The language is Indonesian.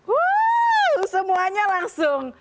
wooo semuanya langsung